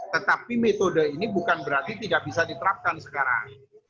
tetapi metode ini bukan berarti tidak bisa diterapkan sekarang